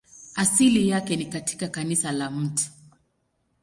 Asili yake ni katika kanisa la Mt.